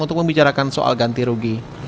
untuk membicarakan soal ganti rugi